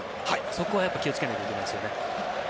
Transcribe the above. そこは気を付けなければいけないですよね。